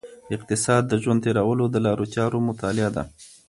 اقتصاد د ژوند تیرولو د لارو چارو مطالعه ده.